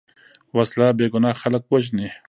وسله بېګناه خلک وژني